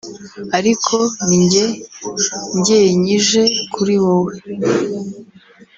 ariko ninjye njyenyije kuri wowe